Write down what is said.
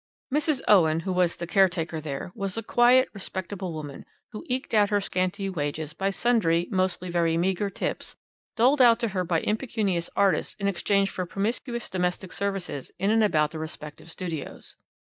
"Mrs. Owen, who was the caretaker there, was a quiet, respectable woman, who eked out her scanty wages by sundry mostly very meagre tips doled out to her by impecunious artists in exchange for promiscuous domestic services in and about the respective studios.